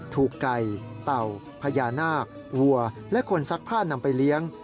ถูกไก่เต่าพญานาควัวและคนซักผ้านำไปเลี้ยง